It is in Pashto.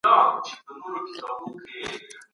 کتابتون ته تګ زما د خوښې کار دی.